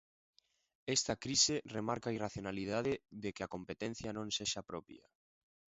Esta crise remarca a irracionalidade de que a competencia non sexa propia.